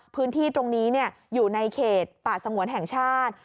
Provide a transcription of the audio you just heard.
พื้นที่ตรงนี้อยู่ในเขตป่าสงวนแห่งชาติ